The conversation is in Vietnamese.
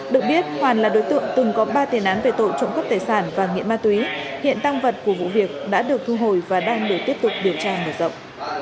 được biết hoàn là đối tượng từng có ba tiền án về tội trộm cắp tài sản và nghiện ma túy hiện tăng vật của vụ việc đã được thu hồi và đang được tiếp tục điều tra mở rộng